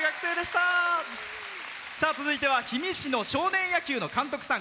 続いては氷見市の少年野球の監督さん。